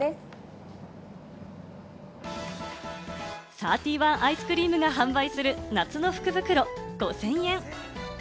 サーティワンアイスクリームが販売する夏の福袋５０００円。